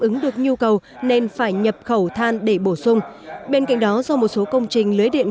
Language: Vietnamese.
ứng được nhu cầu nên phải nhập khẩu than để bổ sung bên cạnh đó do một số công trình lưới điện